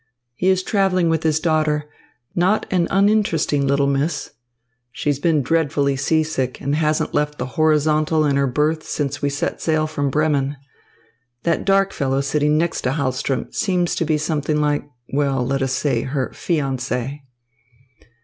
He is travelling with his daughter, not an uninteresting little miss. She's been dreadfully seasick, and hasn't left the horizontal in her berth since we set sail from Bremen. That dark fellow sitting next to Hahlström seems to be something like, well, let us say, her fiancé."